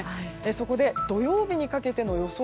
そこで土曜日にかけての予想